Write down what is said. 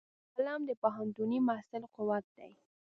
قلم د پوهنتوني محصل قوت دی